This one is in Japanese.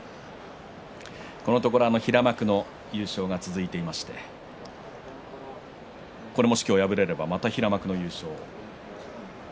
このところ平幕の優勝が続いていまして今日敗れればまた平幕の優勝。